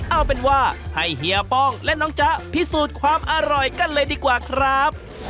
เอาเป็นว่าให้เฮียป้องและน้องจ๊ะพิสูจน์ความอร่อยกันเลยดีกว่าครับ